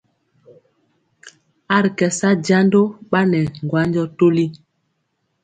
A ri kɛ sa jando ɓanɛ ŋgwanjɔ toli.